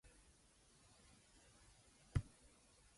It's a tripped out song.